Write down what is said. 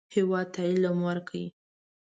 هېواد ته علم ورکړئ